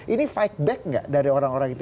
ini fight back nggak dari orang orang itu